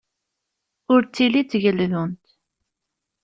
Ur ttili d tegeldunt.